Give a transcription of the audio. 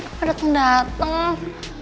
kok gak dateng dateng